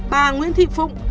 bà nguyễn thị phụng